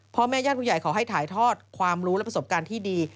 พ่อแม่ญาติผู้ใหญ่ขอให้ถ่ายทอดความรู้และประสบการณ์ที่ดี